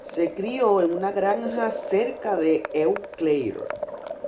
Se crio en una granja cerca de Eau Claire.